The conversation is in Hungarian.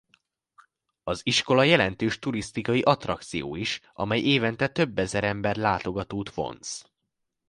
Az iskola jelentős turisztikai attrakció is amely évente több ezer ember látogatót vonz.